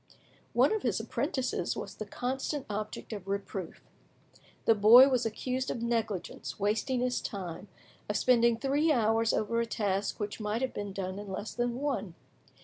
One of his apprentices was the constant object of reproof. The boy was accused of negligence, wasting his time, of spending three hours over a task which might have been done in less than one.